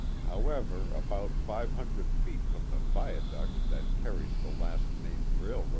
However, about five hundred feet from the viaduct that carries the last named railro^.